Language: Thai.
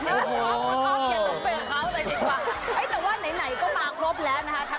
แต่ว่าไหนเราก็มาพรบแล้วนะครับ